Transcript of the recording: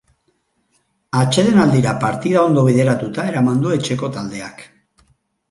Atsedenaldira partida ondo bideratuta eraman du etxeko taldeak.